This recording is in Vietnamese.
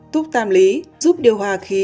thuốc tam lý giúp điều hòa khí